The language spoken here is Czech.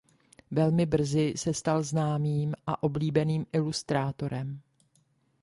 Velmi brzy se stal známým a oblíbeným ilustrátorem.